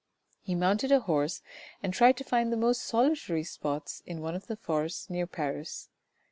He mounted a horse and tried to find the most solitary spots in one of the forests near Paris.